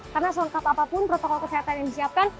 karena selengkap apapun protokol kesehatan yang disiapkan